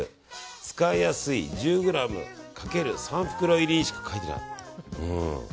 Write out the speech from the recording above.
使いやすい１０ｇ×３袋入りしか書いてない。